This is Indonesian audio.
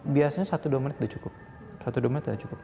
biasanya satu dua menit udah cukup